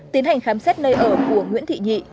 tiến hành khám xét nơi ở của nguyễn thị nhị